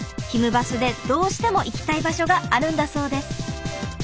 バスでどうしても行きたい場所があるんだそうです。